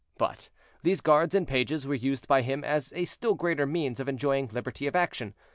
But these guards and pages were used by him as a still greater means of enjoying liberty of action.